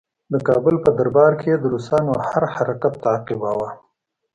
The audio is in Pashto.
د کابل په دربار کې یې د روسانو هر حرکت تعقیباوه.